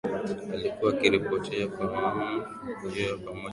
Alikuwa akiripoti kwa mama huyo moja kwa moja